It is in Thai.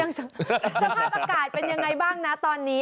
สภาพอากาศเป็นยังไงบ้างนะตอนนี้